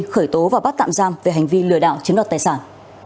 khởi tố và bắt tạm giam về hành vi lừa đảo chiếm đoạt tài sản